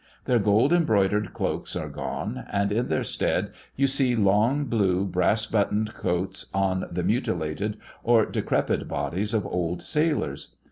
Their gold embroidered cloaks are gone, and in their stead you see long blue brass buttoned coats on the mutilated or decrepid bodies of old sailors.